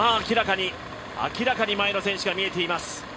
明らかに前の選手が見えています。